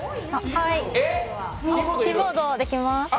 はい、キーボードできます。